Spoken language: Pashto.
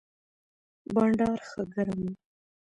بانډار ښه ګرم و.